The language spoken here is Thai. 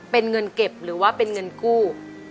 เป็นเงินเก็บหรือว่าเป็นเงินกู้